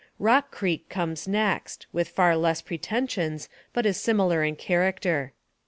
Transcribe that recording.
E ock Creek comes next, with far less pretensions, but is similar in character.